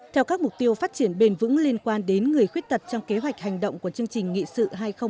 theo các mục tiêu phát triển bền vững liên quan đến người khuyết tật trong kế hoạch hành động của chương trình nghị sự hai nghìn ba mươi